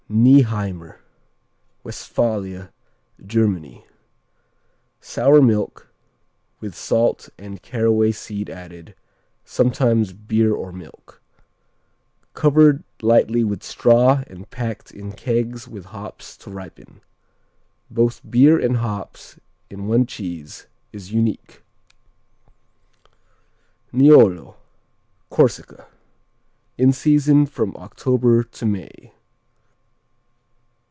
Nieheimer Westphalia, Germany Sour milk; with salt and caraway seed added, sometimes beer or milk. Covered lightly with straw and packed in kegs with hops to ripen. Both beer and hops in one cheese is unique. Niolo Corsica In season from October to May.